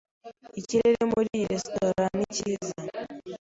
Ikirere muri iyi resitora ni cyiza.